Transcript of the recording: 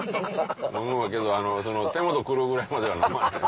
飲むけど手元狂うぐらいまでは飲まへん。